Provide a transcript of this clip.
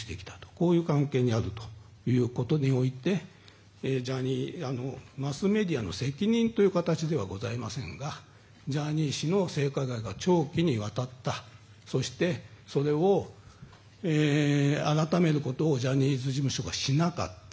こういう関係にあるということにおいてマスメディアの責任という形ではございませんがジャニー氏の性加害が長期にわたったそして、それを改めることをジャニーズ事務所がしなかった。